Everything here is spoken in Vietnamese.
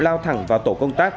lao thẳng vào tổ công tác